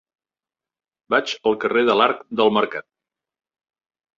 Vaig al carrer de l'Arc del Mercat.